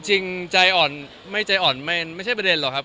จริงใจอ่อนไม่ใจอ่อนไม่ใช่ประเด็นหรอกครับ